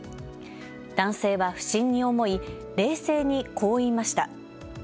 男性は不審に思い冷静に、こう言いました。